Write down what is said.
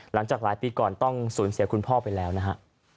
หลังจากหลายปีก่อนต้องสูญเสียคุณพ่อไปแล้วนะฮะ